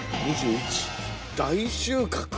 大収穫！